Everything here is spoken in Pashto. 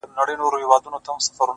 • همدې ژبي يم تر داره رسولى,